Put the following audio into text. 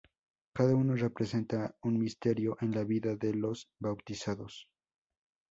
Cada uno representa un misterio en la vida de los bautizados.